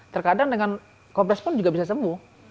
terkadang dengan kompres pun juga bisa sembuh